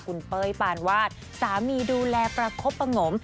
คุณเป้ยปานวาดสามีดูแลประคบประงม